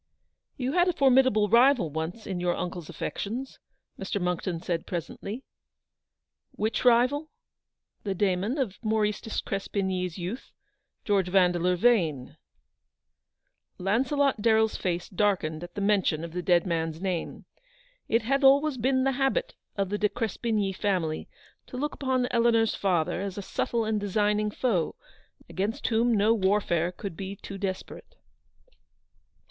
"You had a formidable rival once in your uncle's affections !" Mr. Monckton said presently. " Which rival ?"" The Damon of Maurice de Crespigny's youth, George Vandeleur Yane." Launcelot DarreH's face darkened at the men tion of the dead man's name. It had always been the habit of the De Crespigny family to look upon Eleanor's father as a subtle and designing foe, against whom no warfare could be too desperate.